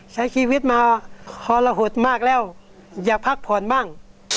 ใช้ชีวิตมาฮอรหดมากแล้วอยากพักผ่อนบ้าง